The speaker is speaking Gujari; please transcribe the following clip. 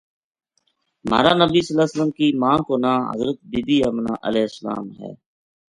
مہارا بنی ﷺ کی ماں کو ناں حضرت بی بی آمنہ علیہا السلام ہے۔